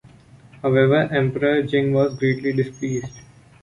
However, Emperor Jing was greatly displeased.